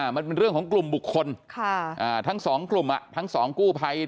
มันเป็นเรื่องของกลุ่มบุคคลทั้งสองกลุ่มทั้งสองกู้ภัย